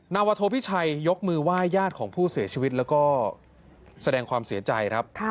นาวโทพิชัยยกมือไหว้ญาติของผู้เสียชีวิตแล้วก็แสดงความเสียใจครับ